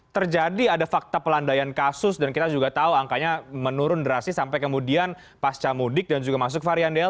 terjadi ada fakta pelandaian kasus dan kita juga tahu angkanya menurun drastis sampai kemudian pasca mudik dan juga masuk varian delta